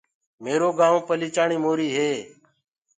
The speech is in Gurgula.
ميرو گآئونٚ پليچاڻي موري هي۔